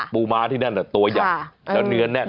ปูม้าไหนก็จะตัวอย่าง